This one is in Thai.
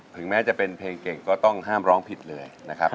แม้จะเป็นเพลงเก่งก็ต้องห้ามร้องผิดเลยนะครับ